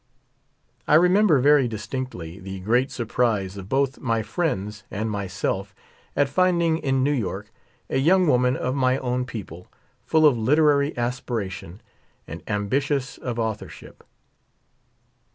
I remember very distinctly the great surprise of both my friends and myself at finding in New York a young woman of my own people full of literary aspiration and amlntious of authorship.